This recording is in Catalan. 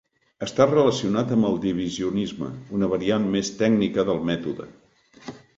Està relacionat amb el Divisionisme, una variant més tècnica del mètode.